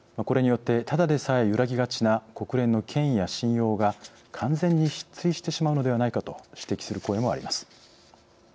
これによってただでさえ揺らぎがちな国連の権威や信用が完全に失墜してしまうのではないかと指摘する声もあります。